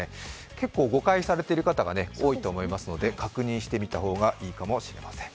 結構、誤解されている方が多いと思いますので、確認してみた方がいいかもしれません。